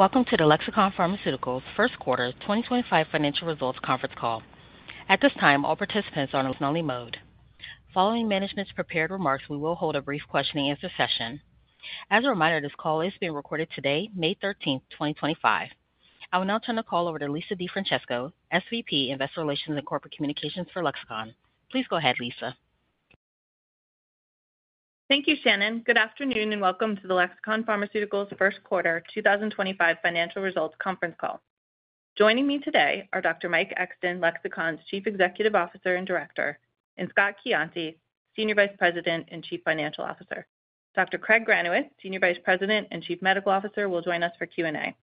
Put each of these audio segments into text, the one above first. Welcome to the Lexicon Pharmaceuticals first quarter 2025 financial results conference call. At this time, all participants are on a snuggly mode. Following management's prepared remarks, we will hold a brief question-and-answer session. As a reminder, this call is being recorded today, May 13th, 2025. I will now turn the call over to Lisa DeFrancesco, SVP, Investor Relations and Corporate Communications for Lexicon. Please go ahead, Lisa. Thank you, Shannon. Good afternoon and welcome to the Lexicon Pharmaceuticals first quarter 2025 financial results conference call. Joining me today are Dr. Mike Exton, Lexicon's Chief Executive Officer and Director, and Scott Coiante, Senior Vice President and Chief Financial Officer. Dr. Craig Granowitz, Senior Vice President and Chief Medical Officer, will join us for Q&A.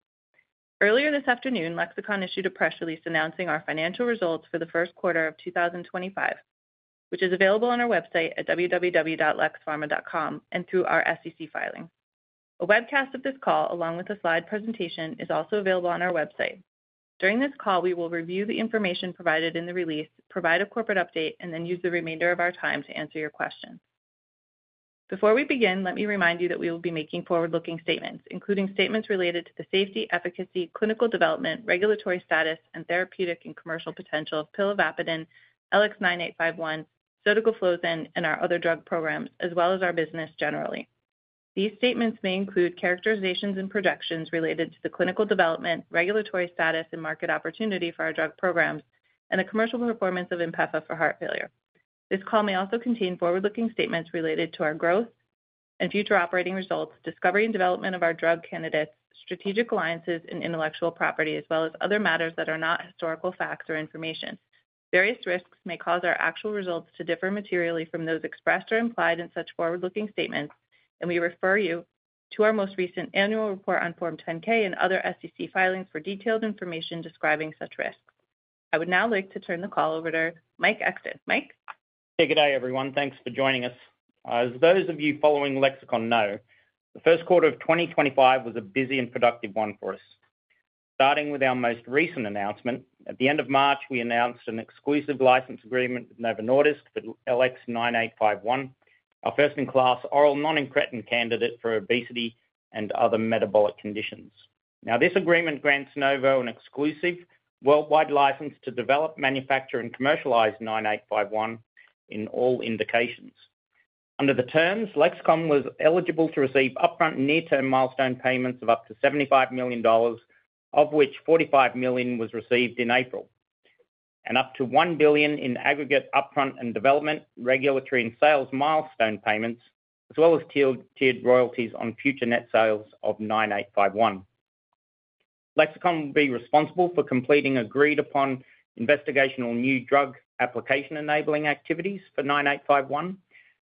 Earlier this afternoon, Lexicon issued a press release announcing our financial results for the first quarter of 2025, which is available on our website at www.lexpharma.com and through our SEC filing. A webcast of this call, along with a slide presentation, is also available on our website. During this call, we will review the information provided in the release, provide a corporate update, and then use the remainder of our time to answer your questions. Before we begin, let me remind you that we will be making forward-looking statements, including statements related to the safety, efficacy, clinical development, regulatory status, and therapeutic and commercial potential of pilavapadin, LX9851, sotagliflozin, and our other drug programs, as well as our business generally. These statements may include characterizations and projections related to the clinical development, regulatory status, and market opportunity for our drug programs, and the commercial performance of INPEFA for heart failure. This call may also contain forward-looking statements related to our growth and future operating results, discovery and development of our drug candidates, strategic alliances, and intellectual property, as well as other matters that are not historical facts or information. Various risks may cause our actual results to differ materially from those expressed or implied in such forward-looking statements, and we refer you to our most recent annual report on Form 10-K and other SEC filings for detailed information describing such risks. I would now like to turn the call over to Mike Exton. Mike. Yeah, good day, everyone. Thanks for joining us. As those of you following Lexicon know, the first quarter of 2025 was a busy and productive one for us. Starting with our most recent announcement, at the end of March, we announced an exclusive license agreement with Novo Nordisk for LX9851, our first-in-class oral non-encretin candidate for obesity and other metabolic conditions. Now, this agreement grants Novo an exclusive worldwide license to develop, manufacture, and commercialize 9851 in all indications. Under the terms, Lexicon was eligible to receive upfront near-term milestone payments of up to $75 million, of which $45 million was received in April, and up to $1 billion in aggregate upfront and development, regulatory, and sales milestone payments, as well as tiered royalties on future net sales of 9851. Lexicon will be responsible for completing agreed-upon investigational new drug application enabling activities for 9851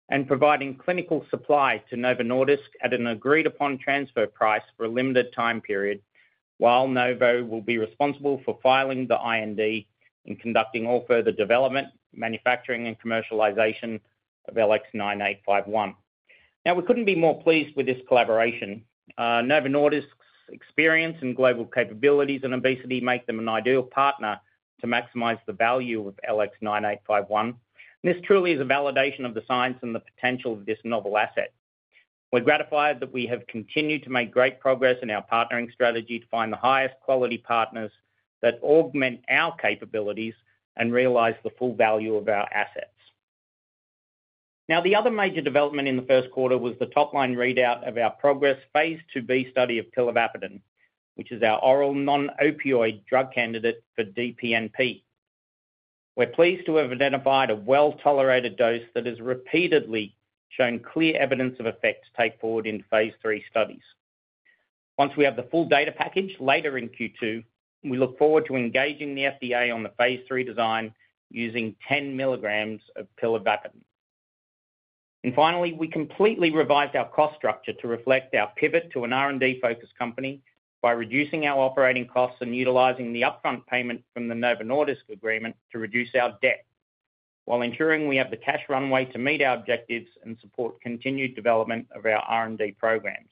and providing clinical supply to Novo Nordisk at an agreed-upon transfer price for a limited time period, while Novo will be responsible for filing the IND and conducting all further development, manufacturing, and commercialization of LX9851. Now, we couldn't be more pleased with this collaboration. Novo Nordisk's experience and global capabilities in obesity make them an ideal partner to maximize the value of LX9851. This truly is a validation of the science and the potential of this novel asset. We're gratified that we have continued to make great progress in our partnering strategy to find the highest quality partners that augment our capabilities and realize the full value of our assets. Now, the other major development in the first quarter was the top-line readout of our progress phase II-B study of pilavapadin, which is our oral non-opioid drug candidate for DPNP. We're pleased to have identified a well-tolerated dose that has repeatedly shown clear evidence of effect to take forward in phase III studies. Once we have the full data package later in Q2, we look forward to engaging the FDA on the phase III design using 10 mg of pilavapadin. Finally, we completely revised our cost structure to reflect our pivot to an R&D-focused company by reducing our operating costs and utilizing the upfront payment from the Novo Nordisk agreement to reduce our debt, while ensuring we have the cash runway to meet our objectives and support continued development of our R&D programs.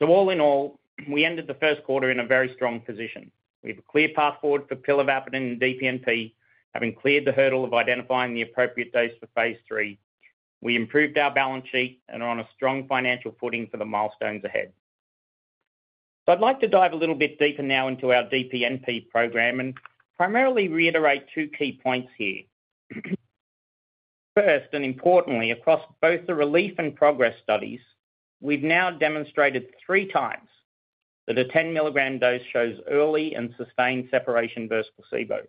All in all, we ended the first quarter in a very strong position. We have a clear path forward for pilavapadin and DPNP, having cleared the hurdle of identifying the appropriate dose for phase III. We improved our balance sheet and are on a strong financial footing for the milestones ahead. I'd like to dive a little bit deeper now into our DPNP program and primarily reiterate two key points here. First, and importantly, across both the RELIEF and PROGRESS studies, we've now demonstrated three times that a 10 mg dose shows early and sustained separation versus placebo.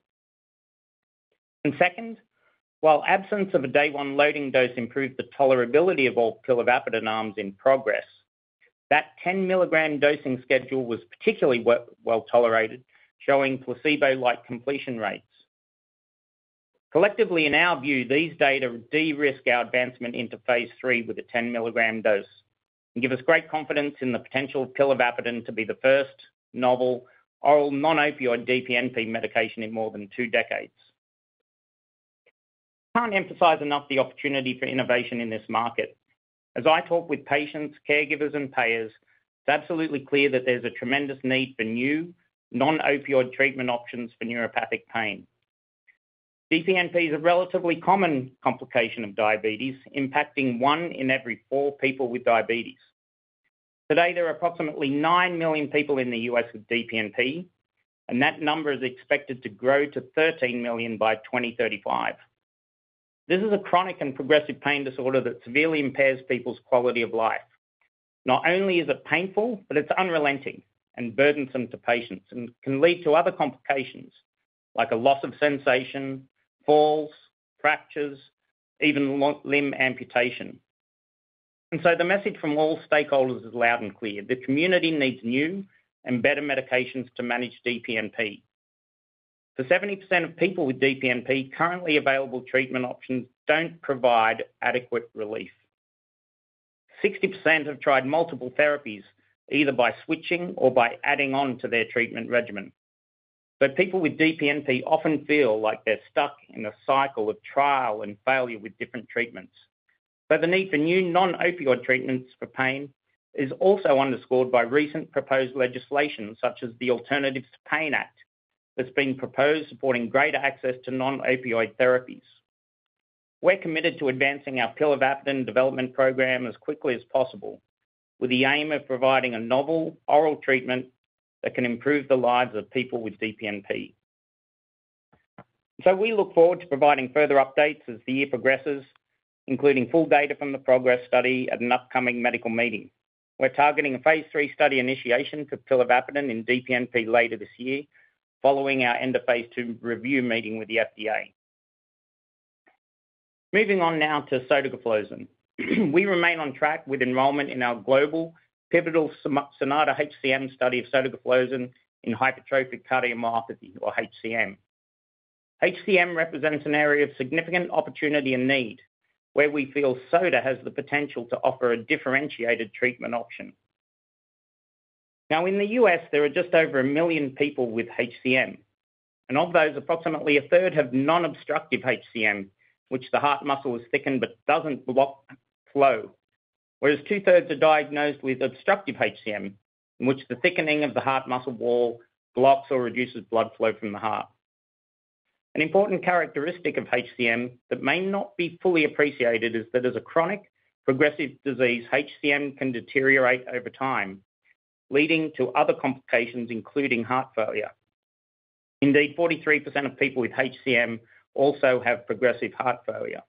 Second, while absence of a day-one loading dose improved the tolerability of all pilavapadin arms in PROGRESS, that 10 mg dosing schedule was particularly well tolerated, showing placebo-like completion rates. Collectively, in our view, these data de-risk our advancement into phase III with a 10 mg dose and give us great confidence in the potential of pilavapadin to be the first novel oral non-opioid DPNP medication in more than two decades. I can't emphasize enough the opportunity for innovation in this market. As I talk with patients, caregivers, and payers, it's absolutely clear that there's a tremendous need for new non-opioid treatment options for neuropathic pain. DPNP is a relatively common complication of diabetes, impacting one in every four people with diabetes. Today, there are approximately 9 million people in the US with DPNP, and that number is expected to grow to 13 million by 2035. This is a chronic and progressive pain disorder that severely impairs people's quality of life. Not only is it painful, but it's unrelenting and burdensome to patients and can lead to other complications like a loss of sensation, falls, fractures, even limb amputation. The message from all stakeholders is loud and clear. The community needs new and better medications to manage DPNP. For 70% of people with DPNP, currently available treatment options do not provide adequate relief. 60% have tried multiple therapies, either by switching or by adding on to their treatment regimen. People with DPNP often feel like they're stuck in a cycle of trial and failure with different treatments. The need for new non-opioid treatments for pain is also underscored by recent proposed legislation, such as the Alternatives to PAIN Act, that is being proposed, supporting greater access to non-opioid therapies. We're committed to advancing our pilavapadin development program as quickly as possible, with the aim of providing a novel oral treatment that can improve the lives of people with DPNP. We look forward to providing further updates as the year progresses, including full data from the PROGRESS study at an upcoming medical meeting. We're targeting a phase III study initiation for pilavapadin and DPNP later this year, following our end-of-phase II review meeting with the FDA. Moving on now to sotagliflozin. We remain on track with enrollment in our global pivotal SONATA-HCM study of sotagliflozin in hypertrophic cardiomyopathy, or HCM. HCM represents an area of significant opportunity and need, where we feel SOTA has the potential to offer a differentiated treatment option. Now, in the U.S., there are just over a million people with HCM, and of those, approximately a third have non-obstructive HCM, which the heart muscle is thickened but does not block flow, whereas 2/3 are diagnosed with obstructive HCM, in which the thickening of the heart muscle wall blocks or reduces blood flow from the heart. An important characteristic of HCM that may not be fully appreciated is that as a chronic progressive disease, HCM can deteriorate over time, leading to other complications, including heart failure. Indeed, 43% of people with HCM also have progressive heart failure.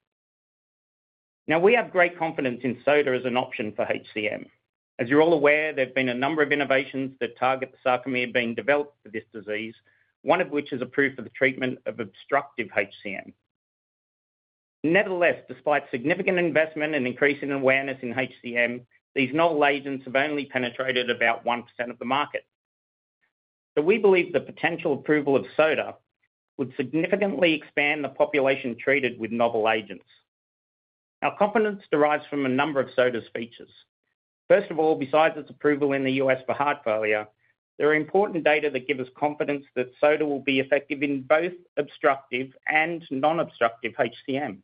Now, we have great confidence in sotagliflozin as an option for HCM. As you are all aware, there have been a number of innovations that target the sarcomere being developed for this disease, one of which is approved for the treatment of obstructive HCM. Nevertheless, despite significant investment and increasing awareness in HCM, these novel agents have only penetrated about 1% of the market. We believe the potential approval of sotagliflozin would significantly expand the population treated with novel agents. Our confidence derives from a number of sotagliflozin's features. First of all, besides its approval in the US for heart failure, there are important data that give us confidence that sotagliflozin will be effective in both obstructive and non-obstructive HCM.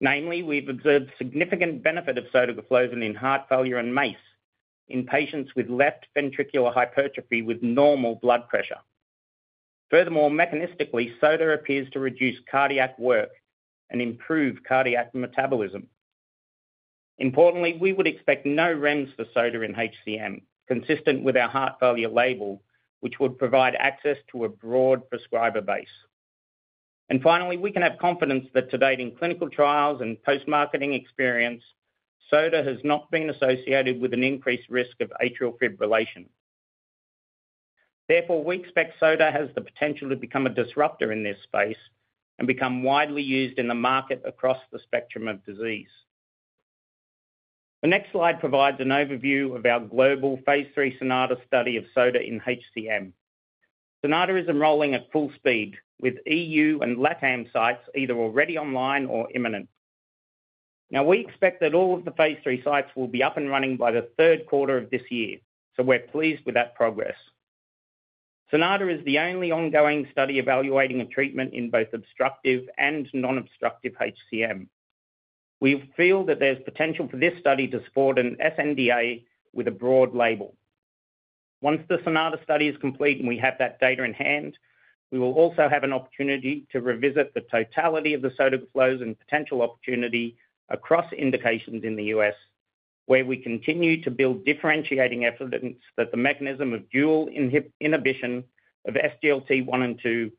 Namely, we have observed significant benefit of sotagliflozin in heart failure and MACE in patients with left ventricular hypertrophy with normal blood pressure. Furthermore, mechanistically, sotagliflozin appears to reduce cardiac work and improve cardiac metabolism. Importantly, we would expect no REMS for sotagliflozin in HCM, consistent with our heart failure label, which would provide access to a broad prescriber base. Finally, we can have confidence that to date in clinical trials and post-marketing experience, sotagliflozin has not been associated with an increased risk of atrial fibrillation. Therefore, we expect sotagliflozin has the potential to become a disruptor in this space and become widely used in the market across the spectrum of disease. The next slide provides an overview of our global phase III SONATA study of sotagliflozin in HCM. SONATA is enrolling at full speed, with EU and LATAM sites either already online or imminent. We expect that all of the phase III sites will be up and running by the third quarter of this year, so we're pleased with that progress. SONATA is the only ongoing study evaluating a treatment in both obstructive and non-obstructive HCM. We feel that there's potential for this study to support an sNDA with a broad label. Once the SONATA study is complete and we have that data in hand, we will also have an opportunity to revisit the totality of the sotagliflozin potential opportunity across indications in the U.S., where we continue to build differentiating evidence that the mechanism of dual inhibition of SGLT1 and 2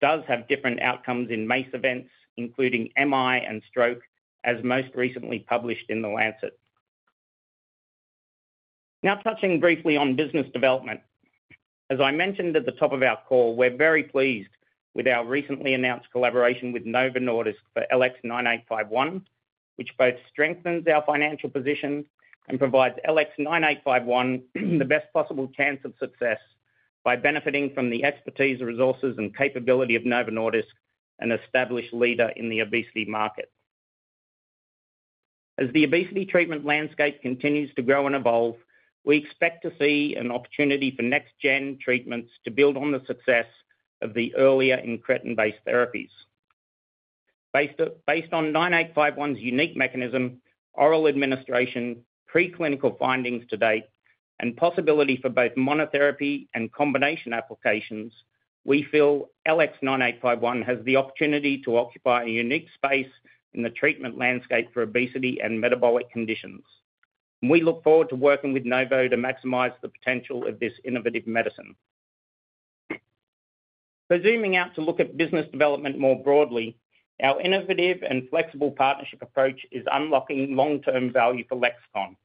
does have different outcomes in MACE events, including MI and stroke, as most recently published in The Lancet. Now, touching briefly on business development. As I mentioned at the top of our call, we're very pleased with our recently announced collaboration with Novo Nordisk for LX9851, which both strengthens our financial position and provides LX9851 the best possible chance of success by benefiting from the expertise, resources, and capability of Novo Nordisk, an established leader in the obesity market. As the obesity treatment landscape continues to grow and evolve, we expect to see an opportunity for next-gen treatments to build on the success of the earlier incretin-based therapies. Based on 9851's unique mechanism, oral administration, preclinical findings to date, and possibility for both monotherapy and combination applications, we feel LX9851 has the opportunity to occupy a unique space in the treatment landscape for obesity and metabolic conditions. We look forward to working with Novo to maximize the potential of this innovative medicine. Zooming out to look at business development more broadly, our innovative and flexible partnership approach is unlocking long-term value for Lexicon.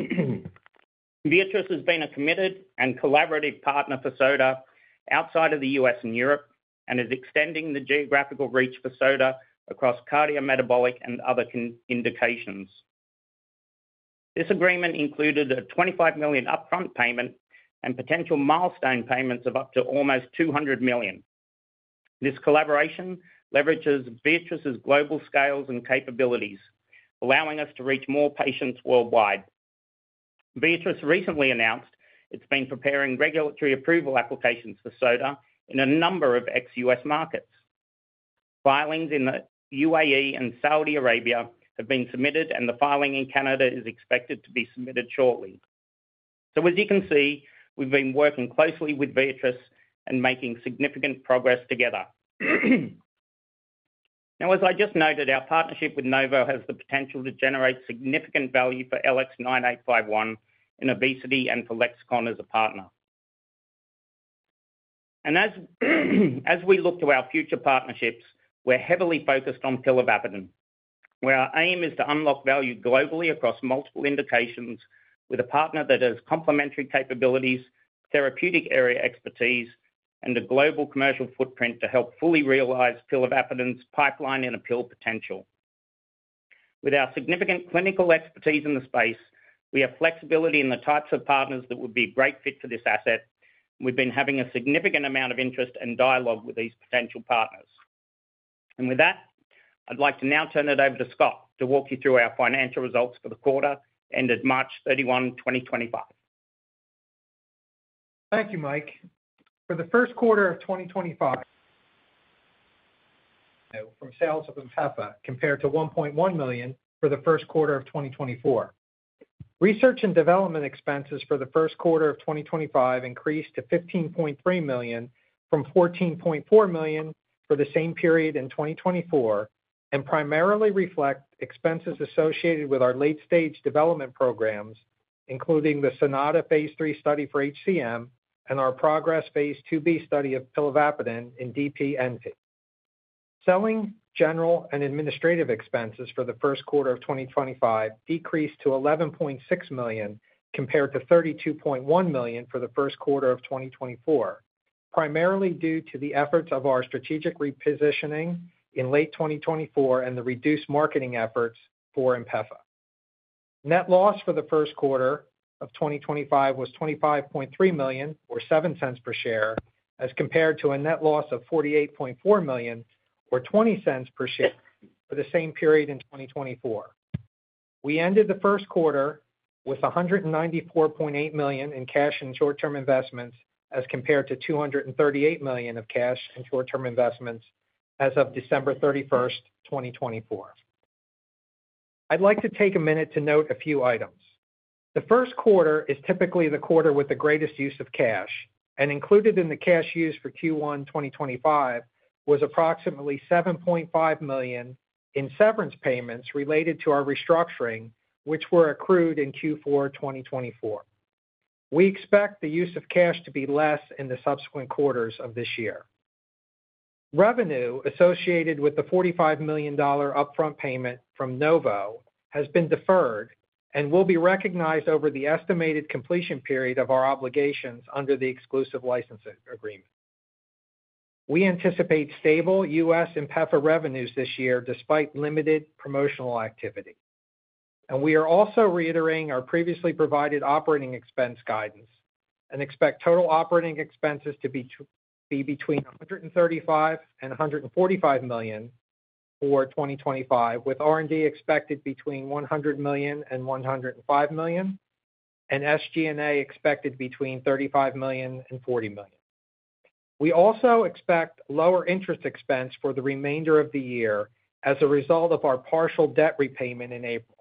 Boehringer Ingelheim has been a committed and collaborative partner for sotagliflozin outside of the U.S. and Europe and is extending the geographical reach for sotagliflozin across cardiometabolic and other indications. This agreement included a $25 million upfront payment and potential milestone payments of up to almost $200 million. This collaboration leverages Bristol's global scales and capabilities, allowing us to reach more patients worldwide. Boehringer Ingelheim recently announced it's been preparing regulatory approval applications for sotagliflozin in a number of ex-U.S. markets. Filings in the UAE and Saudi Arabia have been submitted, and the filing in Canada is expected to be submitted shortly. As you can see, we've been working closely with Bristol and making significant progress together. Now, as I just noted, our partnership with Novo has the potential to generate significant value for LX9851 in obesity and for Lexicon as a partner. As we look to our future partnerships, we're heavily focused on pilavapadin, where our aim is to unlock value globally across multiple indications with a partner that has complementary capabilities, therapeutic area expertise, and a global commercial footprint to help fully realize pilavapadin's pipeline and appeal potential. With our significant clinical expertise in the space, we have flexibility in the types of partners that would be a great fit for this asset, and we've been having a significant amount of interest and dialogue with these potential partners. With that, I'd like to now turn it over to Scott to walk you through our financial results for the quarter ended March 31, 2025. Thank you, Mike. For the first quarter of 2025, from sales of INPEFA, compared to $1.1 million for the first quarter of 2024. Research and development expenses for the first quarter of 2025 increased to $15.3 million from $14.4 million for the same period in 2024 and primarily reflect expenses associated with our late-stage development programs, including the SONATA phase III study for HCM and our progress phase II-B study of pilavapadin and DPNP. Selling, general, and administrative expenses for the first quarter of 2025 decreased to $11.6 million compared to $32.1 million for the first quarter of 2024, primarily due to the efforts of our strategic repositioning in late 2024 and the reduced marketing efforts for INPEFA. Net loss for the first quarter of 2025 was $25.3 million, or $0.07 per share, as compared to a net loss of $48.4 million, or $0.20 per share, for the same period in 2024. We ended the first quarter with $194.8 million in cash and short-term investments as compared to $238 million of cash and short-term investments as of December 31st, 2024. I'd like to take a minute to note a few items. The first quarter is typically the quarter with the greatest use of cash, and included in the cash used for Q1 2025 was approximately $7.5 million in severance payments related to our restructuring, which were accrued in Q4 2024. We expect the use of cash to be less in the subsequent quarters of this year. Revenue associated with the $45 million upfront payment from Novo Nordisk has been deferred and will be recognized over the estimated completion period of our obligations under the exclusive license agreement. We anticipate stable U.S. INPEFA revenues this year despite limited promotional activity. We are also reiterating our previously provided operating expense guidance and expect total operating expenses to be between $135 million and $145 million for 2025, with R&D expected between $100 million and $105 million, and SG&A expected between $35 million and $40 million. We also expect lower interest expense for the remainder of the year as a result of our partial debt repayment in April.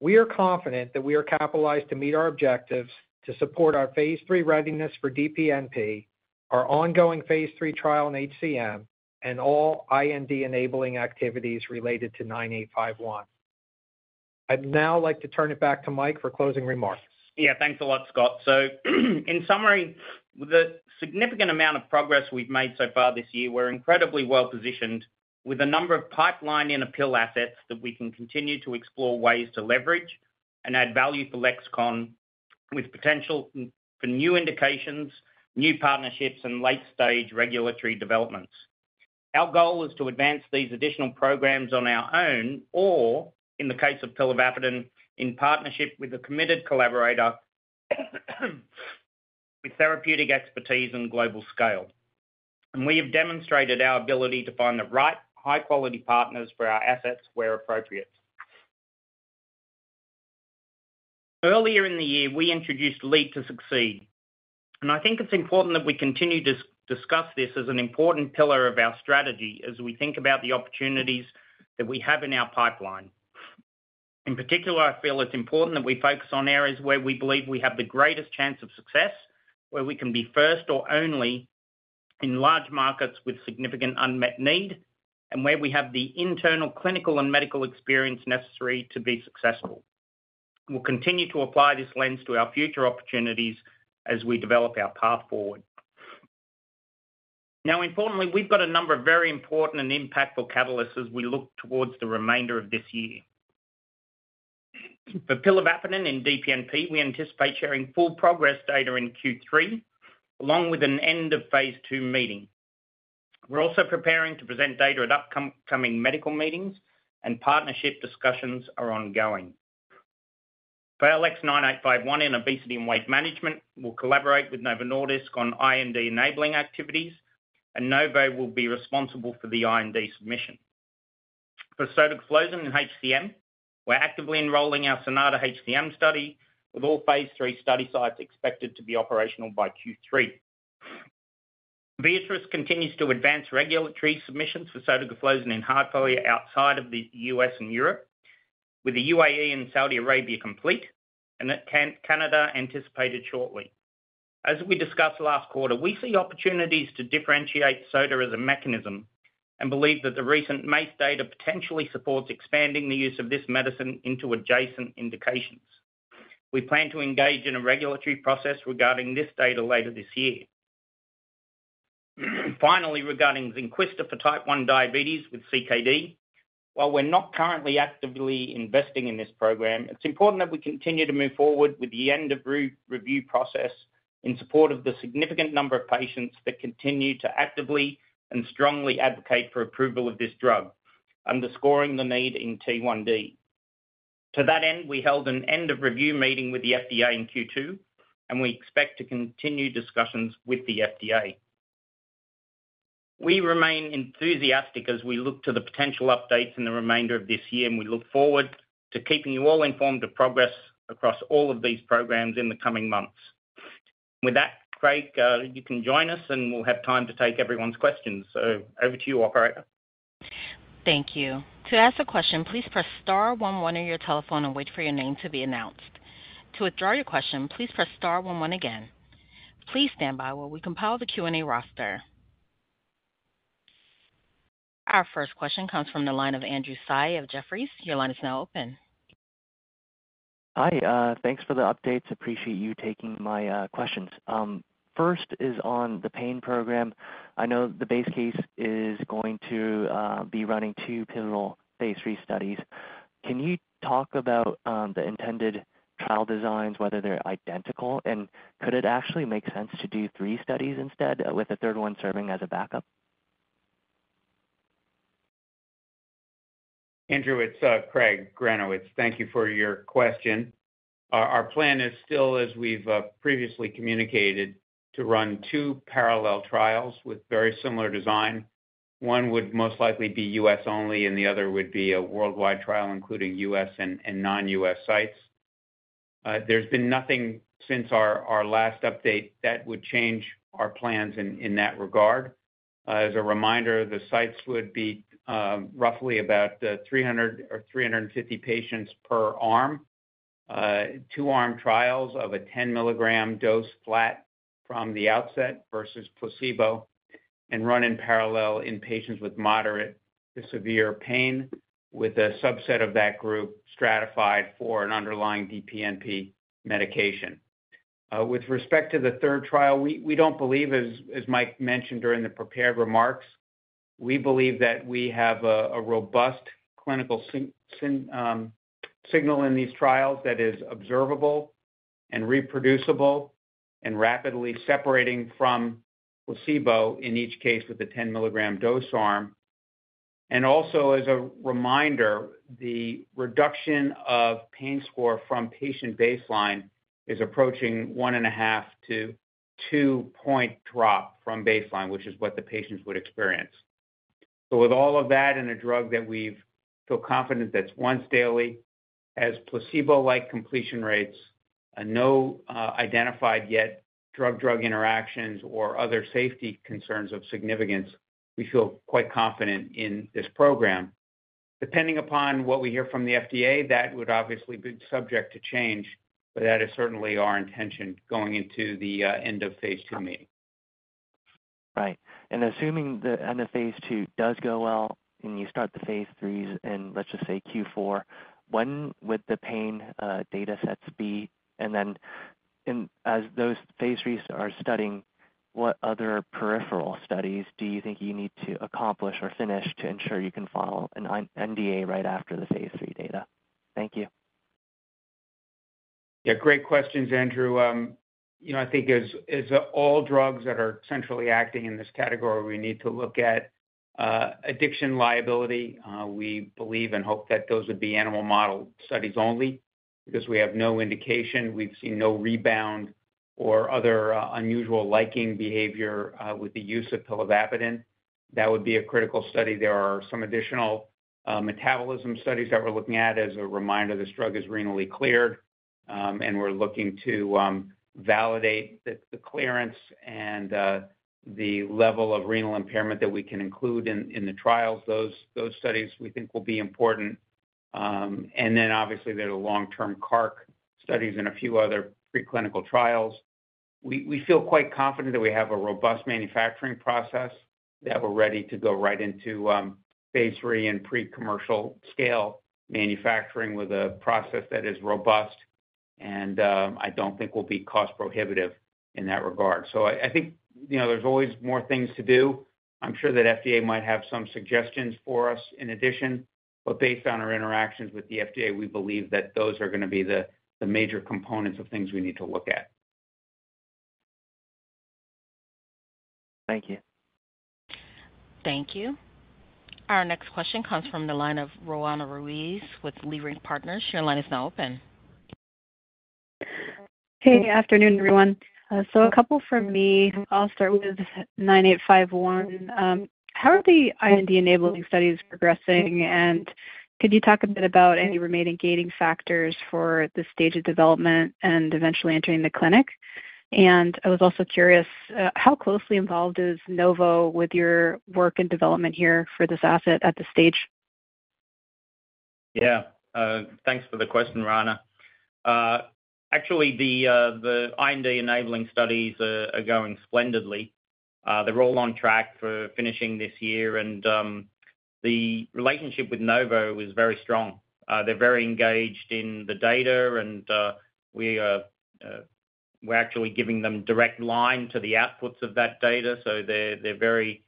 We are confident that we are capitalized to meet our objectives to support our phase III readiness for DPNP, our ongoing phase III trial in HCM, and all IND enabling activities related to 9851. I'd now like to turn it back to Mike for closing remarks. Yeah, thanks a lot, Scott. In summary, with the significant amount of progress we've made so far this year, we're incredibly well positioned with a number of pipeline-in-appealed assets that we can continue to explore ways to leverage and add value for Lexicon, with potential for new indications, new partnerships, and late-stage regulatory developments. Our goal is to advance these additional programs on our own or, in the case of pilavapadin, in partnership with a committed collaborator with therapeutic expertise and global scale. We have demonstrated our ability to find the right high-quality partners for our assets where appropriate. Earlier in the year, we introduced Lead to Succeed. I think it's important that we continue to discuss this as an important pillar of our strategy as we think about the opportunities that we have in our pipeline. In particular, I feel it's important that we focus on areas where we believe we have the greatest chance of success, where we can be first or only in large markets with significant unmet need, and where we have the internal clinical and medical experience necessary to be successful. We'll continue to apply this lens to our future opportunities as we develop our path forward. Now, importantly, we've got a number of very important and impactful catalysts as we look towards the remainder of this year. For pilavapadin and DPNP, we anticipate sharing full progress data in Q3 along with an end-of-phase II meeting. We're also preparing to present data at upcoming medical meetings, and partnership discussions are ongoing. For LX9851 in obesity and weight management, we'll collaborate with Novo Nordisk on IND enabling activities, and Novo will be responsible for the IND submission. For sotagliflozin in HCM, we're actively enrolling our SONATA-HCM study, with all phase III study sites expected to be operational by Q3. Beatrice continues to advance regulatory submissions for sotagliflozin in heart failure outside of the U.S. and Europe, with the UAE and Saudi Arabia complete, and Canada anticipated shortly. As we discussed last quarter, we see opportunities to differentiate SOTA as a mechanism and believe that the recent MACE data potentially supports expanding the use of this medicine into adjacent indications. We plan to engage in a regulatory process regarding this data later this year. Finally, regarding Zynquista for type 1 diabetes with CKD, while we're not currently actively investing in this program, it's important that we continue to move forward with the end-of-review process in support of the significant number of patients that continue to actively and strongly advocate for approval of this drug, underscoring the need in T1D. To that end, we held an end-of-review meeting with the FDA in Q2, and we expect to continue discussions with the FDA. We remain enthusiastic as we look to the potential updates in the remainder of this year, and we look forward to keeping you all informed of progress across all of these programs in the coming months. With that, Craig, you can join us, and we'll have time to take everyone's questions. Over to you, Operator. Thank you. To ask a question, please press star one one on your telephone and wait for your name to be announced. To withdraw your question, please press star one one again. Please stand by while we compile the Q&A roster. Our first question comes from the line of Andrew Tsai of Jefferies. Your line is now open. Hi. Thanks for the updates. Appreciate you taking my questions. First is on the pain program. I know the base case is going to be running two pivotal phase III studies. Can you talk about the intended trial designs, whether they're identical, and could it actually make sense to do three studies instead with the third one serving as a backup? Andrew, it's Craig Granowitz. Thank you for your question. Our plan is still, as we've previously communicated, to run two parallel trials with very similar design. One would most likely be U.S. only, and the other would be a worldwide trial including U.S. and non-U.S. sites. There's been nothing since our last update that would change our plans in that regard. As a reminder, the sites would be roughly about 300 or 350 patients per arm, two-arm trials of a 10 mg dose flat from the outset versus placebo, and run in parallel in patients with moderate to severe pain, with a subset of that group stratified for an underlying DPNP medication. With respect to the third trial, we don't believe, as Mike mentioned during the prepared remarks, we believe that we have a robust clinical signal in these trials that is observable and reproducible and rapidly separating from placebo in each case with the 10 mg dose arm. Also, as a reminder, the reduction of pain score from patient baseline is approaching one and a half to two-point drop from baseline, which is what the patients would experience. With all of that and a drug that we feel confident that's once daily, has placebo-like completion rates, no identified yet drug-drug interactions or other safety concerns of significance, we feel quite confident in this program. Depending upon what we hear from the FDA, that would obviously be subject to change, but that is certainly our intention going into the end-of-phase II meeting. Right. Assuming the end-of-phase II does go well and you start the phase IIIs and let's just say Q4, when would the pain data sets be? As those phase IIIs are studying, what other peripheral studies do you think you need to accomplish or finish to ensure you can file an NDA right after the phase III data? Thank you. Yeah, great questions, Andrew. I think as all drugs that are centrally acting in this category, we need to look at addiction liability. We believe and hope that those would be animal model studies only because we have no indication. We've seen no rebound or other unusual liking behavior with the use of pilavapadin. That would be a critical study. There are some additional metabolism studies that we're looking at. As a reminder, this drug is renally cleared, and we're looking to validate the clearance and the level of renal impairment that we can include in the trials. Those studies we think will be important. There are long-term CARC studies and a few other preclinical trials. We feel quite confident that we have a robust manufacturing process that we are ready to go right into phase III and pre-commercial scale manufacturing with a process that is robust, and I do not think will be cost-prohibitive in that regard. I think there is always more things to do. I am sure that FDA might have some suggestions for us in addition, but based on our interactions with the FDA, we believe that those are going to be the major components of things we need to look at. Thank you. Thank you. Our next question comes from the line of Roanna Ruiz with Leerink Partners. Your line is now open. Hey, afternoon, everyone. A couple from me. I will start with 9851. How are the IND enabling studies progressing, and could you talk a bit about any remaining gating factors for the stage of development and eventually entering the clinic? I was also curious, how closely involved is Novo with your work and development here for this asset at this stage? Yeah. Thanks for the question, Roanna. Actually, the IND enabling studies are going splendidly. They're all on track for finishing this year, and the relationship with Novo is very strong. They're very engaged in the data, and we're actually giving them direct line to the outputs of that data. They're very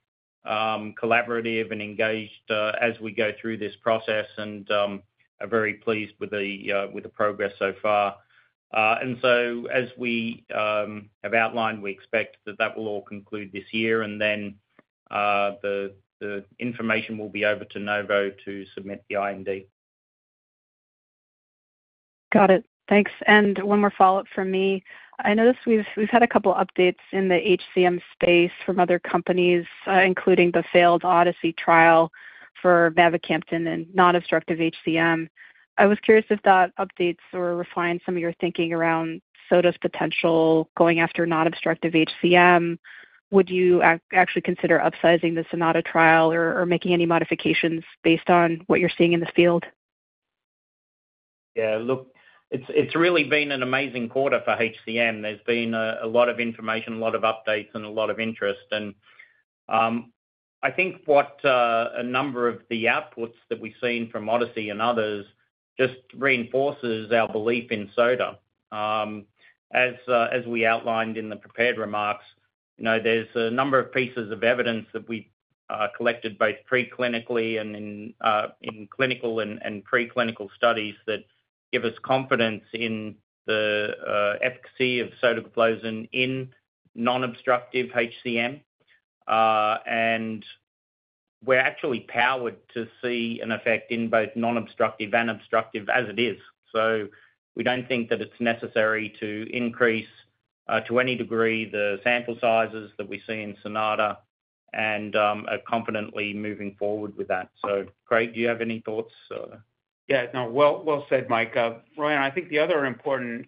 collaborative and engaged as we go through this process and are very pleased with the progress so far. As we have outlined, we expect that that will all conclude this year, and then the information will be over to Novo to submit the IND. Got it. Thanks. And one more follow-up from me. I noticed we've had a couple of updates in the HCM space from other companies, including the failed ODYSSEY trial for mavacamten and non-obstructive HCM. I was curious if that updates or refines some of your thinking around SOTA's potential going after non-obstructive HCM. Would you actually consider upsizing the SONATA trial or making any modifications based on what you're seeing in the field? Yeah. Look, it's really been an amazing quarter for HCM. There's been a lot of information, a lot of updates, and a lot of interest. I think a number of the outputs that we've seen from ODYSSEY and others just reinforces our belief in SOTA. As we outlined in the prepared remarks, there's a number of pieces of evidence that we collected both preclinically and in clinical and preclinical studies that give us confidence in the efficacy of sotagliflozin in non-obstructive HCM. We're actually powered to see an effect in both non-obstructive and obstructive as it is. We do not think that it's necessary to increase to any degree the sample sizes that we see in SONATA and are confidently moving forward with that. Craig, do you have any thoughts? Yeah. No, well said, Mike. Roanna, I think the other important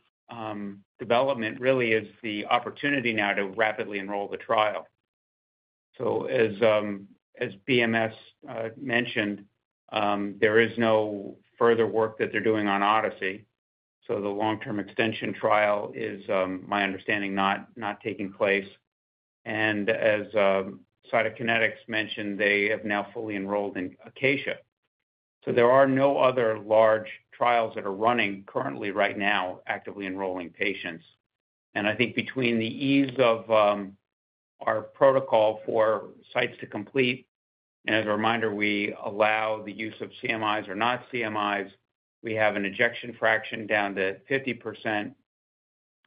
development really is the opportunity now to rapidly enroll the trial. As BMS mentioned, there is no further work that they're doing on ODYSSEY. The long-term extension trial is, my understanding, not taking place. As Cytokinetics mentioned, they have now fully enrolled in ACACIA. There are no other large trials that are running currently right now actively enrolling patients. I think between the ease of our protocol for sites to complete, and as a reminder, we allow the use of CMIs or not CMIs, we have an ejection fraction down to 50%.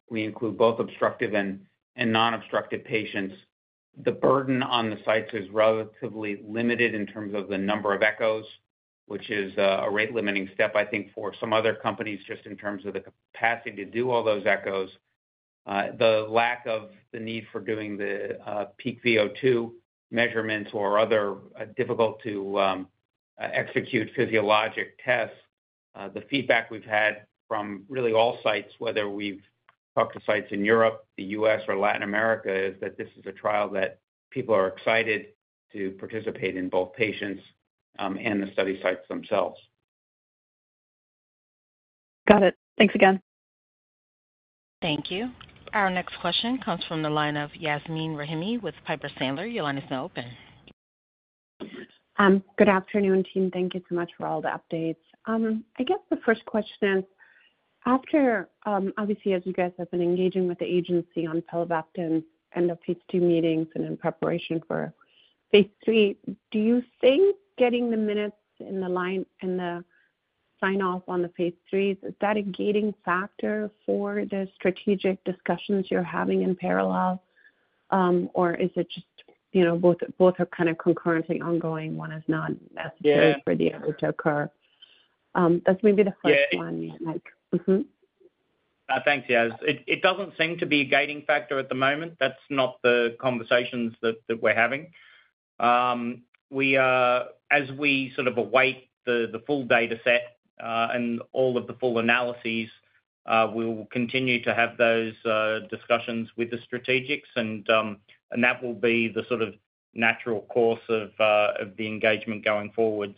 We include both obstructive and non-obstructive patients. The burden on the sites is relatively limited in terms of the number of echoes, which is a rate-limiting step, I think, for some other companies just in terms of the capacity to do all those echoes. The lack of the need for doing the peak VO2 measurements or other difficult-to-execute physiologic tests, the feedback we've had from really all sites, whether we've talked to sites in Europe, the U.S., or Latin America, is that this is a trial that people are excited to participate in, both patients and the study sites themselves. Got it. Thanks again. Thank you. Our next question comes from the line of Yasmeen Rahimi with Piper Sandler. Your line is now open. Good afternoon, team. Thank you so much for all the updates. I guess the first question is, after, obviously, as you guys have been engaging with the agency on pilavapadin end-of-phase II meetings and in preparation for phase III, do you think getting the minutes and the sign-off on the phase IIIs, is that a gating factor for the strategic discussions you're having in parallel, or is it just both are kind of concurrently ongoing, one is not necessary for the other to occur? That's maybe the first one, Mike. Thanks, yes. It doesn't seem to be a gating factor at the moment. That's not the conversations that we're having. As we sort of await the full data set and all of the full analyses, we'll continue to have those discussions with the strategics, and that will be the sort of natural course of the engagement going forward.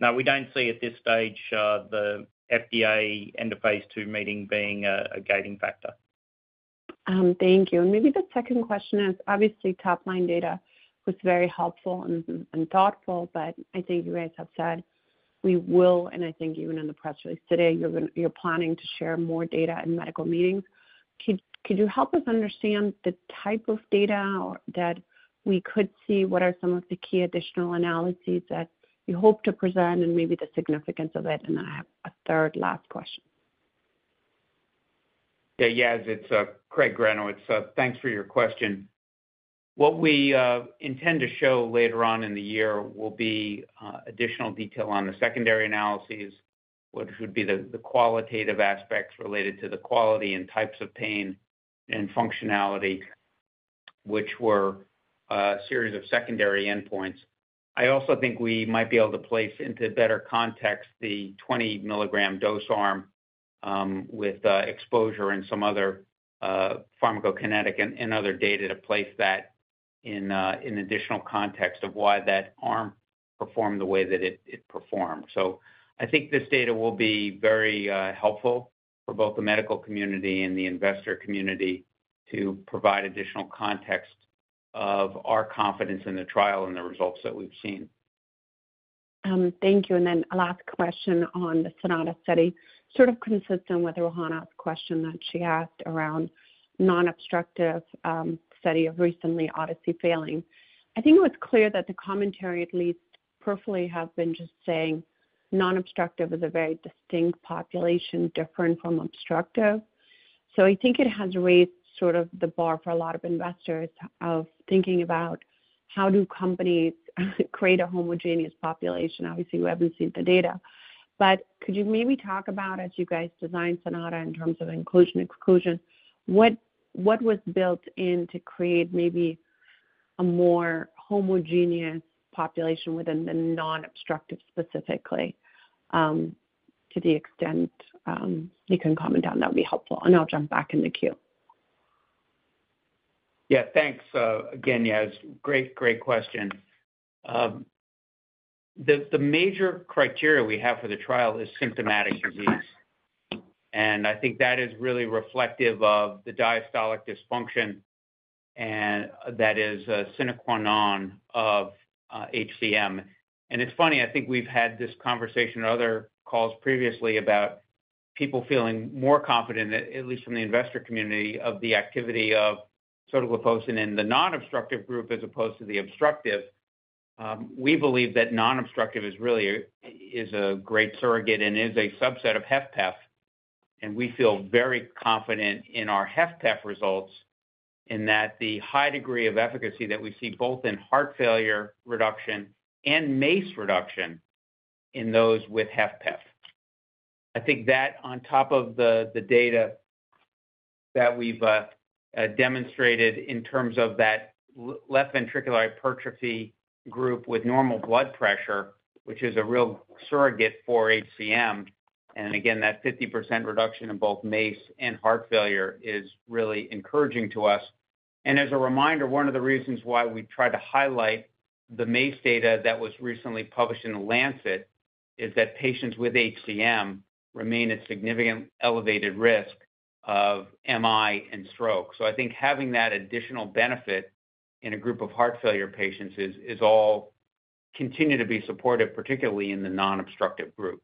No, we do not see at this stage the FDA end-of-phase II meeting being a gating factor. Thank you. Maybe the second question is, obviously, top-line data was very helpful and thoughtful, but I think you guys have said we will, and I think even in the press release today, you are planning to share more data in medical meetings. Could you help us understand the type of data that we could see? What are some of the key additional analyses that you hope to present and maybe the significance of it? I have a third last question. Yes, yes. It is Craig Granowitz. Thanks for your question. What we intend to show later on in the year will be additional detail on the secondary analyses, which would be the qualitative aspects related to the quality and types of pain and functionality, which were a series of secondary endpoints. I also think we might be able to place into better context the 20 mg dose arm with exposure and some other pharmacokinetic and other data to place that in additional context of why that arm performed the way that it performed. I think this data will be very helpful for both the medical community and the investor community to provide additional context of our confidence in the trial and the results that we've seen. Thank you. A last question on the SONATA study, sort of consistent with Roanna's question that she asked around non-obstructive study of recently ODYSSEY failing. I think it was clear that the commentary, at least peripherally, has been just saying non-obstructive is a very distinct population, different from obstructive. I think it has raised sort of the bar for a lot of investors of thinking about how do companies create a homogeneous population. Obviously, we haven't seen the data. Could you maybe talk about, as you guys designed SONATA in terms of inclusion/exclusion, what was built in to create maybe a more homogeneous population within the non-obstructive specifically? To the extent you can comment on that, that would be helpful. I'll jump back in the queue. Yeah. Thanks. Again, yes, great, great question. The major criteria we have for the trial is symptomatic disease. I think that is really reflective of the diastolic dysfunction and that is a sine qua non of HCM. It is funny, I think we've had this conversation at other calls previously about people feeling more confident, at least in the investor community, of the activity of sotagliflozin in the non-obstructive group as opposed to the obstructive. We believe that non-obstructive is really a great surrogate and is a subset of HFpEF. We feel very confident in our HFpEF results in that the high degree of efficacy that we see both in heart failure reduction and MACE reduction in those with HFpEF. I think that on top of the data that we've demonstrated in terms of that left ventricular hypertrophy group with normal blood pressure, which is a real surrogate for HCM, and again, that 50% reduction in both MACE and heart failure is really encouraging to us. As a reminder, one of the reasons why we tried to highlight the MACE data that was recently published in The Lancet is that patients with HCM remain at significantly elevated risk of MI and stroke. I think having that additional benefit in a group of heart failure patients is all continued to be supportive, particularly in the non-obstructive group.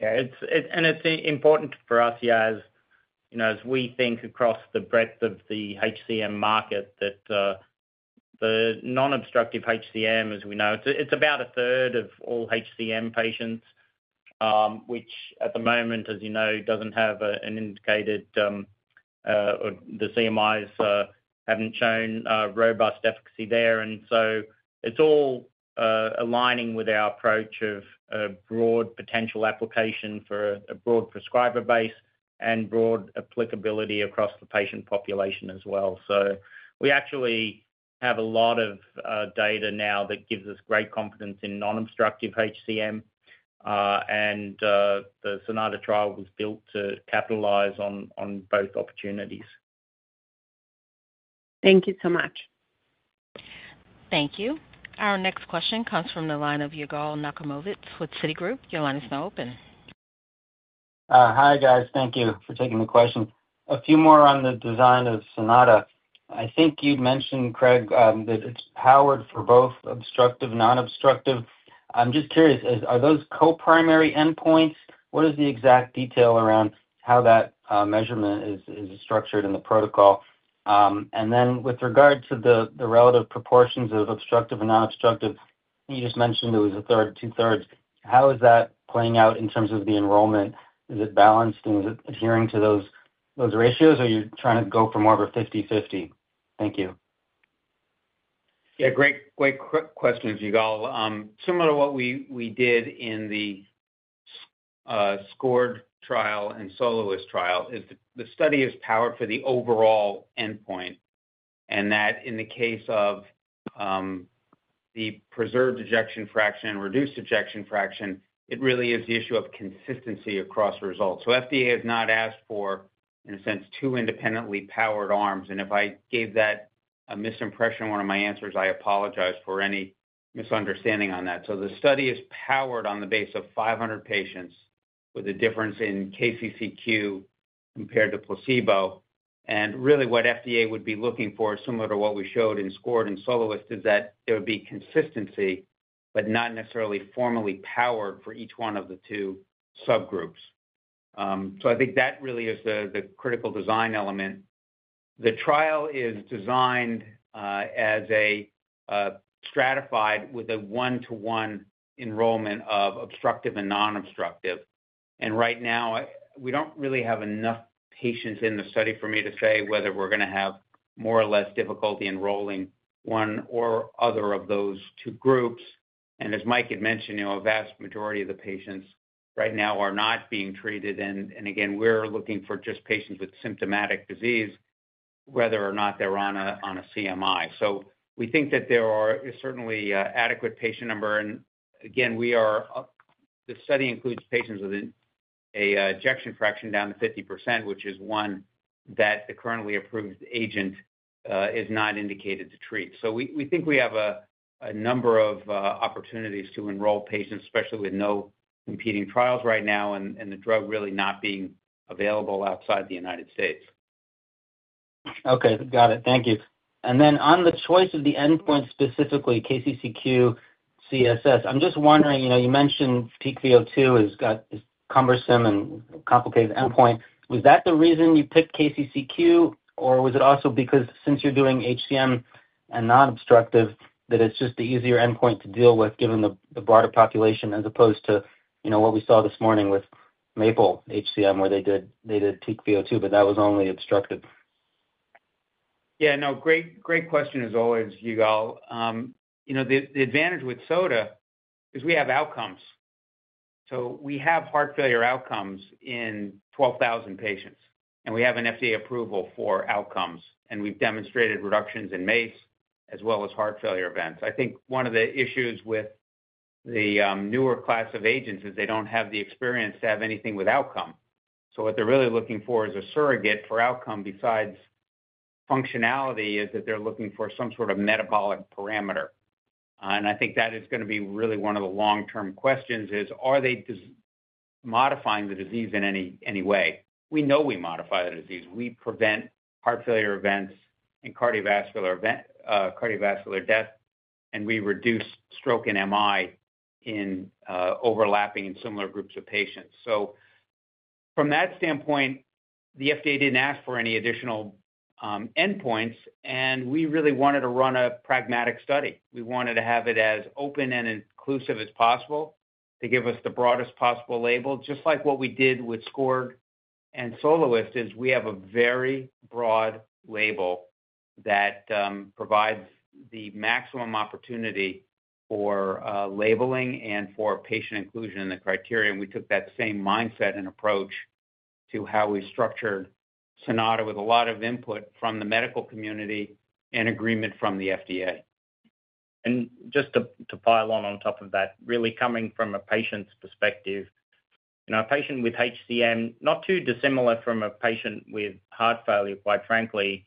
Yeah. It is important for us, yeah, as we think across the breadth of the HCM market, that the non-obstructive HCM, as we know, it's about a third of all HCM patients, which at the moment, as you know, does not have an indicated the CMIs have not shown robust efficacy there. It is all aligning with our approach of broad potential application for a broad prescriber base and broad applicability across the patient population as well. We actually have a lot of data now that gives us great confidence in non-obstructive HCM. The SONATA trial was built to capitalize on both opportunities. Thank you so much. Thank you. Our next question comes from the line of Yigal Nochomovitz with Citigroup. Yugal, please go ahead. Hi, guys. Thank you for taking the question. A few more on the design of SONATA. I think you'd mentioned, Craig, that it's powered for both obstructive and non-obstructive. I'm just curious, are those co-primary endpoints? What is the exact detail around how that measurement is structured in the protocol? And then with regard to the relative proportions of obstructive and non-obstructive, you just mentioned it was a third, two-thirds. How is that playing out in terms of the enrollment? Is it balanced? Is it adhering to those ratios, or are you trying to go for more of a 50/50? Thank you. Yeah. Great questions, Yugal. Similar to what we did in the SCORED trial and SOLOIST trial, the study is powered for the overall endpoint. In the case of the preserved ejection fraction and reduced ejection fraction, it really is the issue of consistency across results. FDA has not asked for, in a sense, two independently powered arms. If I gave that a misimpression in one of my answers, I apologize for any misunderstanding on that. The study is powered on the basis of 500 patients with a difference in KCCQ compared to placebo. What FDA would be looking for, similar to what we showed in SCORED and SOLOIST, is that there would be consistency, but not necessarily formally powered for each one of the two subgroups. I think that really is the critical design element. The trial is designed as a stratified with a one-to-one enrollment of obstructive and non-obstructive. Right now, we do not really have enough patients in the study for me to say whether we are going to have more or less difficulty enrolling one or other of those two groups. As Mike had mentioned, a vast majority of the patients right now are not being treated. Again, we are looking for just patients with symptomatic disease, whether or not they are on a CMI. We think that there is certainly an adequate patient number. The study includes patients with an ejection fraction down to 50%, which is one that the currently approved agent is not indicated to treat. We think we have a number of opportunities to enroll patients, especially with no competing trials right now and the drug really not being available outside the U.S.. Okay. Got it. Thank you. On the choice of the endpoint specifically, KCCQ CSS, I'm just wondering, you mentioned peak VO2 has got this cumbersome and complicated endpoint. Was that the reason you picked KCCQ, or was it also because since you're doing HCM and non-obstructive, that it's just the easier endpoint to deal with given the broader population as opposed to what we saw this morning with MAPLE-HCM, where they did peak VO2, but that was only obstructive? Yeah. No, great question as always, Yigal. The advantage with SOTA is we have outcomes. We have heart failure outcomes in 12,000 patients. We have an FDA approval for outcomes. We have demonstrated reductions in MACE as well as heart failure events. I think one of the issues with the newer class of agents is they do not have the experience to have anything with outcome. What they are really looking for as a surrogate for outcome besides functionality is some sort of metabolic parameter. I think that is going to be really one of the long-term questions: are they modifying the disease in any way? We know we modify the disease. We prevent heart failure events and cardiovascular death. We reduce stroke and MI in overlapping and similar groups of patients. From that standpoint, the FDA did not ask for any additional endpoints. We really wanted to run a pragmatic study. We wanted to have it as open and inclusive as possible to give us the broadest possible label. Just like what we did with SCORED and SOLOIST, we have a very broad label that provides the maximum opportunity for labeling and for patient inclusion in the criteria. We took that same mindset and approach to how we structured SONATA with a lot of input from the medical community and agreement from the FDA. Just to pile on top of that, really coming from a patient's perspective, a patient with HCM, not too dissimilar from a patient with heart failure, quite frankly,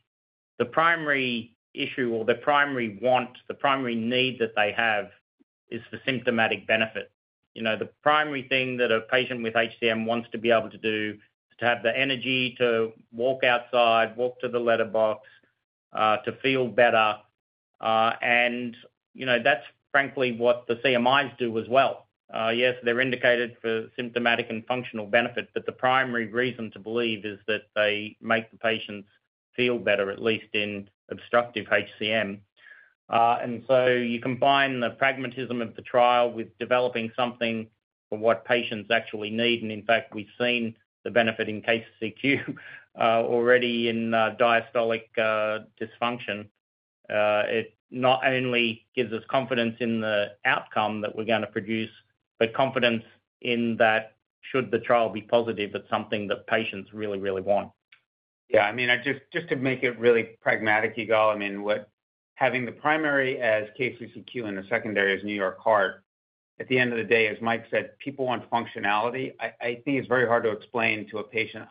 the primary issue or the primary want, the primary need that they have is for symptomatic benefit. The primary thing that a patient with HCM wants to be able to do is to have the energy to walk outside, walk to the letterbox, to feel better. That is, frankly, what the CMIs do as well. Yes, they are indicated for symptomatic and functional benefit. The primary reason to believe is that they make the patients feel better, at least in obstructive HCM. You combine the pragmatism of the trial with developing something for what patients actually need. In fact, we have seen the benefit in KCCQ already in diastolic dysfunction. It not only gives us confidence in the outcome that we are going to produce, but confidence in that should the trial be positive, it is something that patients really, really want. Yeah. I mean, just to make it really pragmatic, Yigal, I mean, having the primary as KCCQ and the secondary as New York Heart, at the end of the day, as Mike said, people want functionality. I think it's very hard to explain to a patient,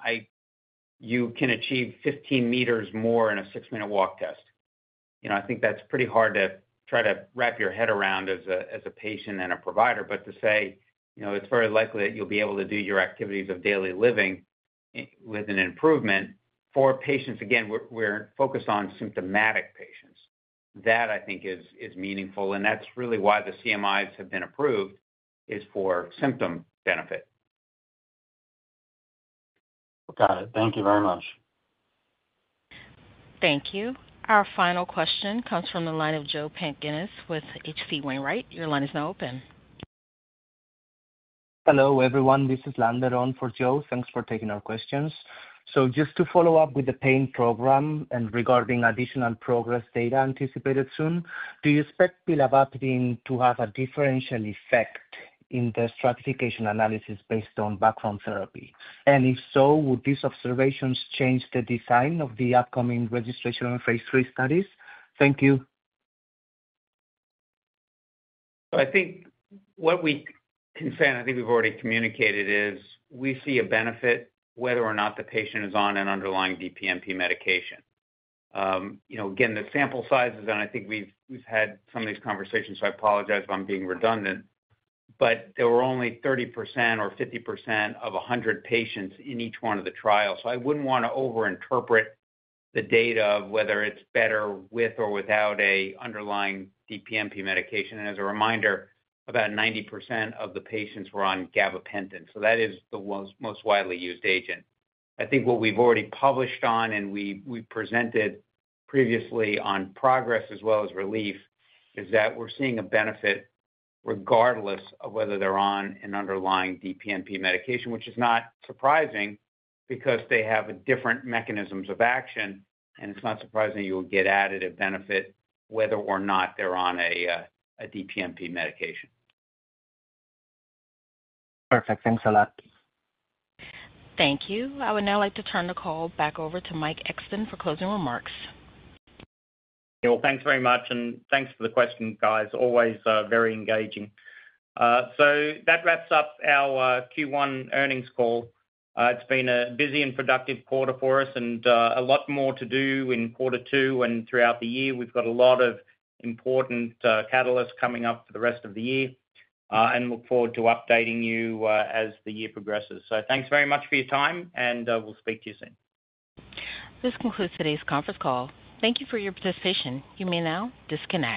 "You can achieve 15 meters more in a six-minute walk test." I think that's pretty hard to try to wrap your head around as a patient and a provider. To say, "It's very likely that you'll be able to do your activities of daily living with an improvement," for patients, again, we're focused on symptomatic patients. That, I think, is meaningful. That's really why the CMIs have been approved, is for symptom benefit. Got it. Thank you very much. Thank you. Our final question comes from the line of Joe Pantginis with H.C. Wainwright. Your line is now open. Hello, everyone. This is Lander on for Joe. Thanks for taking our questions. Just to follow up with the pain program and regarding additional progress data anticipated soon, do you expect pilavapadin to have a differential effect in the stratification analysis based on background therapy? If so, would these observations change the design of the upcoming registration or phase III studies? Thank you. I think what we can say, and I think we've already communicated, is we see a benefit whether or not the patient is on an underlying DPNP medication. Again, the sample sizes, and I think we've had some of these conversations, so I apologize if I'm being redundant, but there were only 30% or 50% of 100 patients in each one of the trials. I wouldn't want to overinterpret the data of whether it's better with or without an underlying DPNP medication. As a reminder, about 90% of the patients were on gabapentin. That is the most widely used agent. I think what we've already published on, and we presented previously on progress as well as relief, is that we're seeing a benefit regardless of whether they're on an underlying DPNP medication, which is not surprising because they have different mechanisms of action. It is not surprising you will get additive benefit whether or not they're on a DPNP medication. Perfect. Thanks a lot. Thank you. I would now like to turn the call back over to Mike Exton for closing remarks. Thank you all. Thanks very much. Thanks for the questions, guys. Always very engaging. That wraps up our Q1 earnings call. It's been a busy and productive quarter for us and a lot more to do in quarter two and throughout the year. We've got a lot of important catalysts coming up for the rest of the year. We look forward to updating you as the year progresses. Thanks very much for your time. We'll speak to you soon. This concludes today's conference call. Thank you for your participation. You may now disconnect.